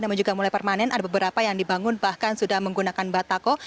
namun juga mulai permanen ada beberapa yang dibangun bahkan sudah menggunakan batako